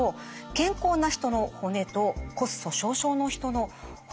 健康な人の骨と骨粗しょう症の人の骨。